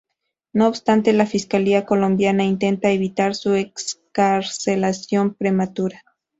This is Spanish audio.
No obstante, la Fiscalía colombiana intenta evitar su excarcelación prematura.